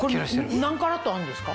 これ何カラットあるんですか？